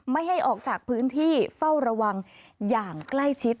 ไม่ให้ออกจากพื้นที่เฝ้าระวังอย่างใกล้ชิด